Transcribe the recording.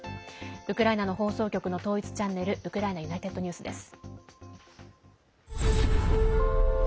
ウクライナの放送局の統一チャンネルウクライナＵｎｉｔｅｄＮｅｗｓです。